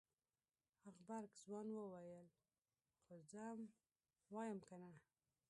غبرګ ځوان وويل خو زه ام وايم کنه.